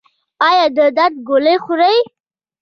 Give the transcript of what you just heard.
ایا د درد ګولۍ خورئ؟